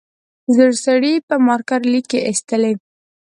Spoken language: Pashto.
زوړ سړي پر مارکر ليکې ایستلې.